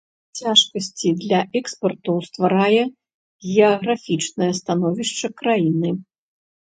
Цяжкасці для экспарту стварае геаграфічнае становішча краіны.